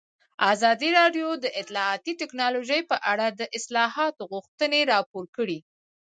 ازادي راډیو د اطلاعاتی تکنالوژي په اړه د اصلاحاتو غوښتنې راپور کړې.